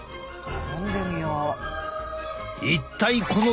飲んでみよう。